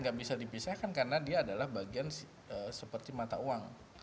gak bisa dipisahkan karena dia adalah bagian seperti mata uang